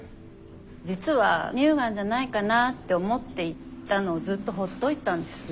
実は乳がんじゃないかな？って思っていたのをずっと放っておいたんです。